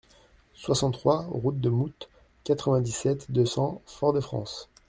soixante-trois route de Moutte, quatre-vingt-dix-sept, deux cents, Fort-de-France